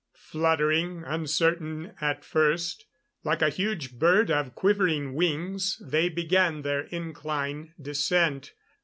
Fluttering, uncertain at first, like a huge bird of quivering wings, they began their incline descent.